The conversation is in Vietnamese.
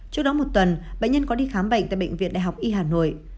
trước đó một tuần bệnh nhân có đi khám bệnh tại bệnh viện đại học y hà nội